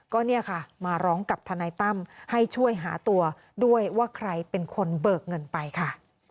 ก็เนี่ยค่ะมาร้องกับทนายตั้มให้ช่วยหาตัวด้วยว่าใครเป็นคนเบิกเงินไปค่ะ